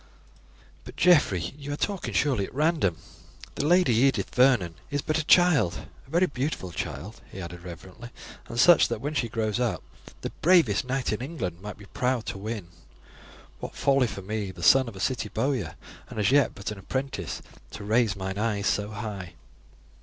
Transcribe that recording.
"But, Geoffrey, you are talking surely at random. The Lady Edith Vernon is but a child; a very beautiful child," he added reverently, "and such that when she grows up, the bravest knight in England might be proud to win. What folly for me, the son of a city bowyer, and as yet but an apprentice, to raise mine eyes so high!"